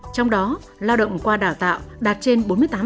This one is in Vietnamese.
trong đó lao động qua đào tạo đạt trên bốn mươi tám